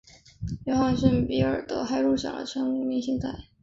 约翰逊和比尔德还入选了全明星赛。